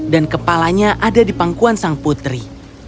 dan kepalanya ada di pangkuan sang putri